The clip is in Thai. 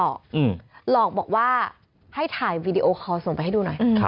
หลอกบอกว่าให้ถ่ายวีดีโอคอลส่งไปให้ดูหน่อย